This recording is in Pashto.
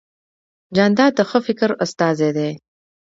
جانداد د ښه فکر استازی دی.